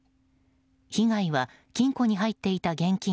被害は金庫に入っていた現金